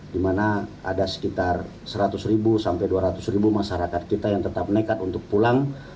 di mana ada sekitar seratus ribu sampai dua ratus ribu masyarakat kita yang tetap nekat untuk pulang